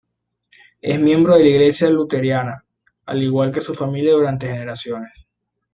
Es miembro de la iglesia luterana, al igual que su familia durante generaciones.